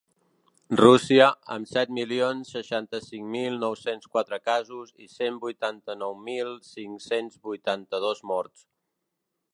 Rússia, amb set milions seixanta-cinc mil nou-cents quatre casos i cent vuitanta-nou mil cinc-cents vuitanta-dos morts.